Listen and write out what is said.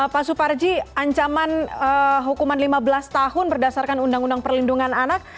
pak suparji ancaman hukuman lima belas tahun berdasarkan undang undang perlindungan anak